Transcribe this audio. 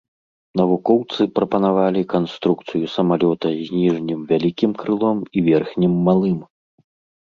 Навукоўцы прапанавалі канструкцыю самалёта з ніжнім вялікім крылом і верхнім малым.